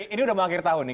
ini udah mau akhir tahun nih